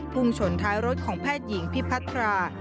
พุ่งชนท้ายรถของแพทย์หญิงพิพัทรา